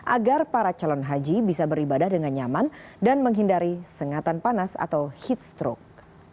agar para calon haji bisa beribadah dengan nyaman dan menghindari sengatan panas atau heat stroke